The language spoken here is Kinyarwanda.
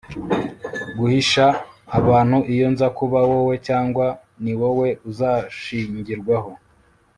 guhisha abantu iyo nza kuba wowe, cyangwa ni wowe uzashingirwaho